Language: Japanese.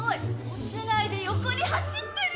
落ちないで横に走ってる！